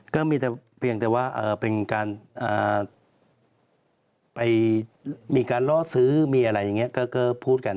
ก็มีแต่ว่าเป็นการมีการล่อสือมีอะไรอย่างนี้ก็พูดกัน